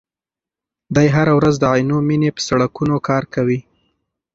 دی هره ورځ د عینومېنې په سړکونو کار کوي.